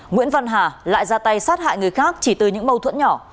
nguyễn văn hà lại ra tay sát hại người khác chỉ từ những mâu thuẫn nhỏ